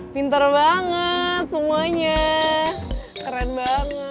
pinter banget semuanya keren banget